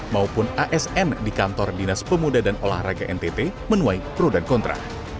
maupun asn di kantor dinas pemuda dan olahraga ntt menuai pro dan kontra